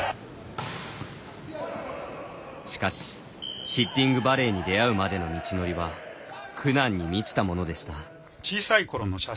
しかしシッティングバレーに出会うまでの道のりは苦難に満ちたものでした。